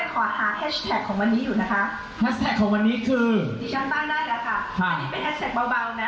ปี๊คะแป๊บนี้ขอหาแฮชแท็กของวันนี้อยู่นะคะ